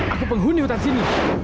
aku penghuni hutan sini